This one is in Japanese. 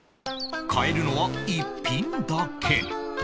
買えるのは１品だけ